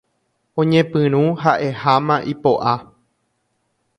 Oñepyrũ ha'eháma ipo'a.